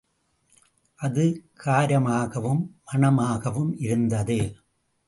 அது காரமாகவும் மணமாகவும் இருந்தது.